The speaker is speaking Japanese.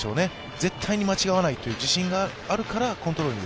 絶対に間違わないという自信があるから、コントロールに。